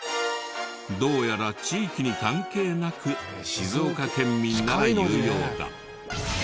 どうやら地域に関係なく静岡県民なら言うようだ。